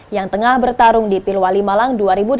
yang tengah bertarung di pilwali malang dua ribu delapan belas